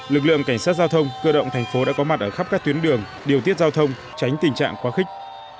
lực lượng cảnh sát giao thông cơ động thành phố đã có mặt ở khắp các tuyến đường điều tiết giao thông tránh tình trạng quá khích